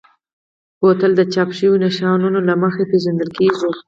بوتل د چاپ شویو نښانونو له مخې پېژندل کېږي.